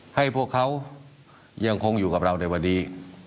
ให้พวกเขายังคงอยู่กับเราในวันนี้